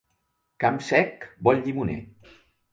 Camp sec, bon llimoner.